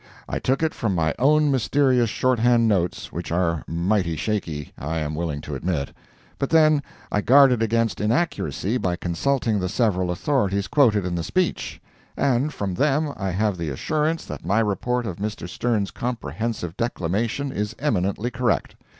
I took it from my own mysterious short hand notes, which are mighty shaky, I am willing to admit; but then, I guarded against inaccuracy by consulting the several authorities quoted in the speech, and from them I have the assurance that my report of Mr. Sterns' comprehensive declamation is eminently correct.